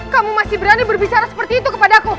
kamu masih berani berbicara seperti itu kepadaku